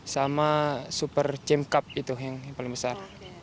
sama super chame cup itu yang paling besar